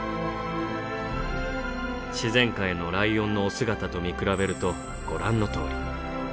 自然界のライオンのお姿と見比べるとご覧のとおり。